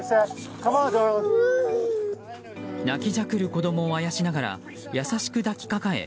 泣きじゃくる子供をあやしながら優しく抱きかかえ